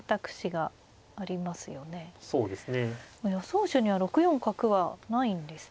予想手には６四角はないんですね。